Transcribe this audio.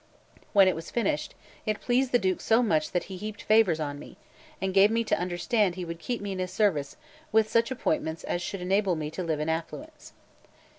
When it was finished, it pleased the Duke so much that he heaped favours on me, and gave me to understand that he would keep me in his service with such appointments as should enable me to live in affluence.